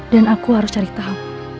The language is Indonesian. dan aku harus cari tahu